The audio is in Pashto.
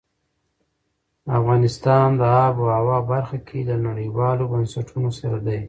افغانستان د آب وهوا برخه کې له نړیوالو بنسټونو سره دی.